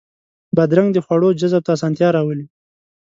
بادرنګ د خواړو جذب ته اسانتیا راولي.